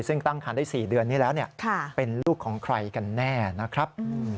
ซึ่งตั้งคันได้๔เดือนนี้แล้วเป็นลูกของใครกันแน่นะครับ